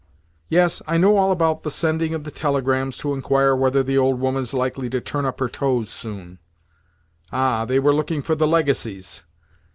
Yes, I know all about the sending of the telegrams to inquire whether 'the old woman is likely to turn up her toes soon.' Ah, they were looking for the legacies!